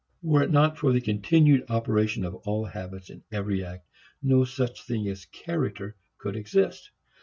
Were it not for the continued operation of all habits in every act, no such thing as character could exist.